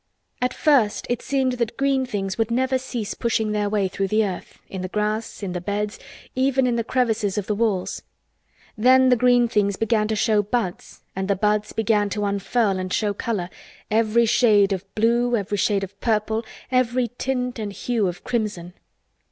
At first it seemed that green things would never cease pushing their way through the earth, in the grass, in the beds, even in the crevices of the walls. Then the green things began to show buds and the buds began to unfurl and show color, every shade of blue, every shade of purple, every tint and hue of crimson.